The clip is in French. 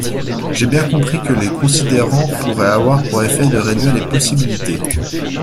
J’ai bien compris que les considérants pourraient avoir pour effet de réduire les possibilités.